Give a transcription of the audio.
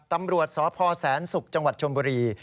ตำรวจสพแสนศุกร์จังหวัดชมบุรี